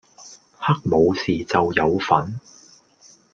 黑武士就有份